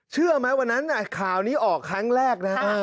เชื่อไหมวันนั้นข่าวนี้ออกครั้งแรกนะ